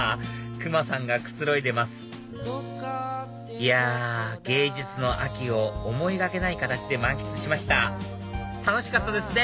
クマさんがくつろいでますいや芸術の秋を思いがけない形で満喫しました楽しかったですね